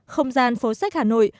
không gian phố sách hà nội